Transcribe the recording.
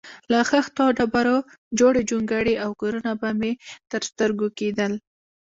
له خښتو او ډبرو جوړې جونګړې او کورونه به مې تر سترګو کېدل.